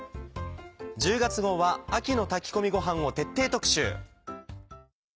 １０月号は秋の炊き込みごはんを徹底特集。